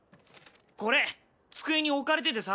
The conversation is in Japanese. これ机に置かれててさ。